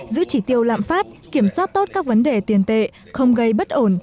giữ chỉ tiêu lạm phát kiểm soát tốt các vấn đề tiền tệ không gây bất ổn